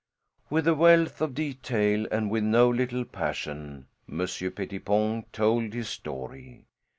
With a wealth of detail and with no little passion Monsieur Pettipon told his story.